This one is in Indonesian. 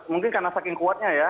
mungkin karena saking kuatnya ya